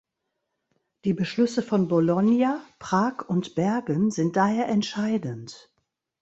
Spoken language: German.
Die Beschlüsse von Bologna, Prag und Bergen sind daher entscheidend.